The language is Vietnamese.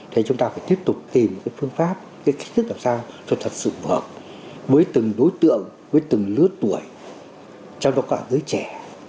thế chúng ta phải tiếp tục tìm cái phương pháp cái kích thước làm sao cho thật sự mở với từng đối tượng với từng lứa tuổi trong đó có cả người trẻ